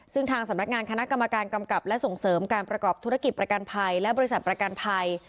ซึ่งทางสำนักงานคณะกรรมการกำกับและส่งเสริมการประกอบธุรกิจประกันภัยและบริษัทประกันภัย